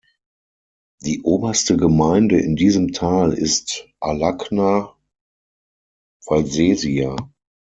Die oberste Gemeinde in diesem Tal ist Alagna Valsesia.